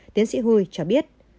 tiến sĩ hu cho biết